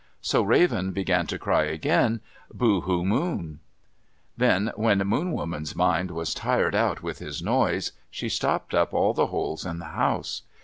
So Raven began to cry again, "Boo hoo, moon!" Then, when Moon Woman's mind was tired out with his noise, she stopped up all the holes in the house.